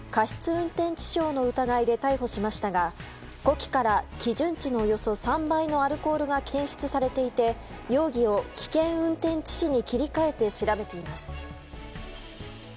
運転致傷の疑いで逮捕しましたが呼気から基準値のおよそ３倍のアルコールが検出されていて容疑を危険運転致死に切り替えて調べています。